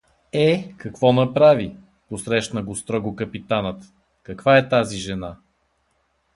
— Е, какво направи? — посрещна го строго капитанът. — Каква е тази жена?